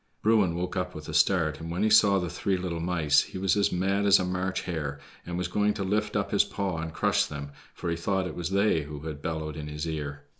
Bruin woke up with a start, and when he saw the three little mice, he was as mad as a March hare, and was going to lift up his paw and crush them, for he thought it was they who had bellowed in his ear.